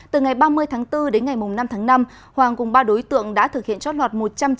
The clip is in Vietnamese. từ ngày ba mươi tháng bốn đến ngày năm tháng năm hoàng cùng ba đối tượng đã thực hiện trót lọt